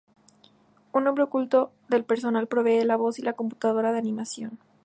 Un hombre oculto del personal provee la voz y la computadora la animación.